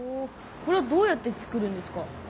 これはどうやって作るんですか？